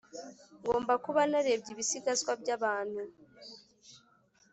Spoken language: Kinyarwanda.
ngomba kuba narebye ibisigazwa byabantu,